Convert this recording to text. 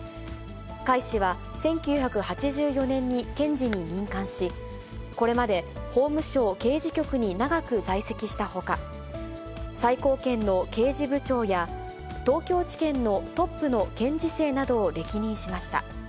甲斐氏は、１９８４年に検事に任官し、これまで法務省刑事局に長く在籍したほか、最高検の刑事部長や、東京地検のトップの検事正などを歴任しました。